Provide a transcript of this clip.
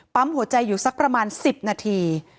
หัวใจอยู่สักประมาณ๑๐นาที